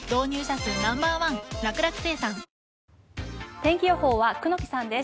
天気予報は久能木さんです。